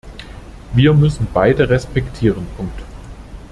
Wir müssen beide respektieren.